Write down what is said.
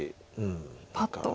パッと。